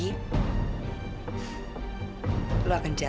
tapi kamu tapi melupakan aku